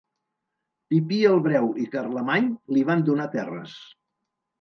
Pipí el Breu i Carlemany li van donar terres.